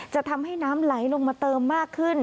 จะทำให้น้ำไหลลงมาเติมมากขึ้น